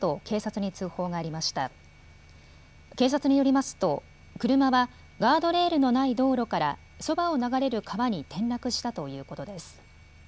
警察によりますと車はガードレールのない道路からそばを流れる川に転落したということです。